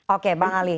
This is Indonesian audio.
oke bang ali